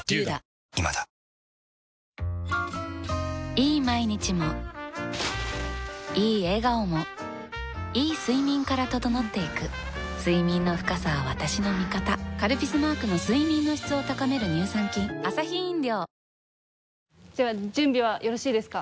いい毎日もいい笑顔もいい睡眠から整っていく睡眠の深さは私の味方「カルピス」マークの睡眠の質を高める乳酸菌では準備はよろしいですか？